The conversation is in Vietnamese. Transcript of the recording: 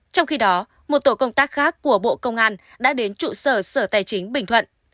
trong khi đó một tổ công tác khác của bộ công an đã đến trụ sở sở tài chính bình thuận